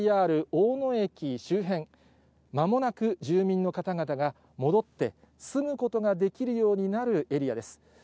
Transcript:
ＪＲ大野駅周辺、まもなく住民の方々が戻って、住むことができるようになるエリアです。